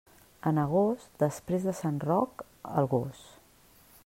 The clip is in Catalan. En agost, després de sant Roc, el gos.